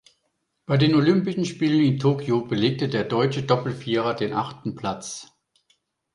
Bei den Olympischen Spielen in Tokio belegte der deutsche Doppelvierer den achten Platz.